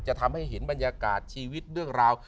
จะทำให้เห็นบรรยากาศชีวิตเรื่องราว